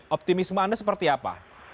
optimisme anda seperti apa